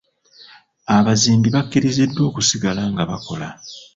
Abazimbi bakkiriziddwa okusigala nga bakola.